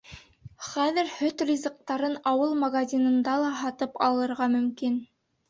Хәҙер һөт ризыҡтарын ауыл магазинында ла һатып алырға мөмкин.